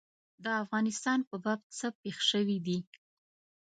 د افغانستان په باب څه پېښ شوي دي.